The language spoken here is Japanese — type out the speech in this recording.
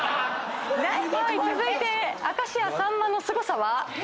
続いて「明石家さんまのすごさは？」